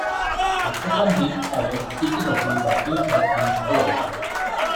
The station did have a ticket office but it has since closed.